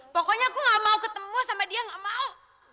pokoknya aku gak mau ketemu sama dia nggak mau